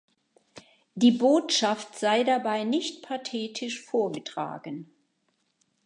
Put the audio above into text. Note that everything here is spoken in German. Die Botschaft sei dabei nicht pathetisch vorgetragen.